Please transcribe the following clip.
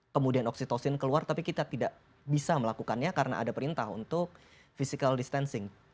kemudian oksitosin keluar tapi kita tidak bisa melakukannya karena ada perintah untuk physical distancing